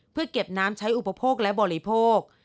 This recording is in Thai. เพื่อเก็บน้ำใช้อุปโภคและบริโภค